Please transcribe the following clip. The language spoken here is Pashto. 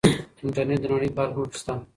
انټرنيټ د نړۍ په هر ګوټ کې شته.